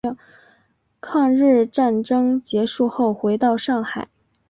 抗日战争结束后回到上海。